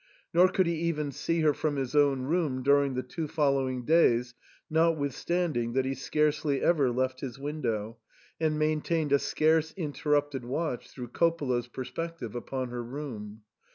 Nor could he even see her from his own room during the two following days, notwithstanding that he scarcely ever left his window, and maintained a scarce interrupted watch through Coppola's perspective upon her room.